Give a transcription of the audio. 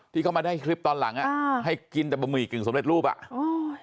ที่เขามาได้คลิปตอนหลังอ่ะอ่าให้กินแต่บะหมี่กึ่งสำเร็จรูปอ่ะโอ้ย